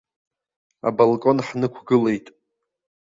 Абалкон ҳнықәгылеит.